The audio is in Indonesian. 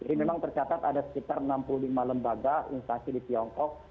ini memang tercatat ada sekitar enam puluh lima lembaga instansi di tiongkok